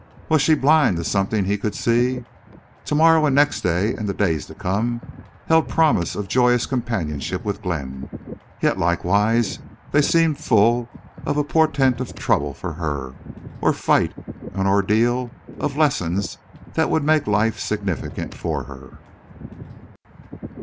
was she blind to something he could see? Tomorrow and next day and the days to come held promise of joyous companionship with Glenn, yet likewise they seemed full of a portent of trouble for her, or fight and ordeal, of lessons that would make life significant for her.